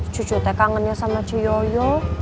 cucu teh kangennya sama cuyoyo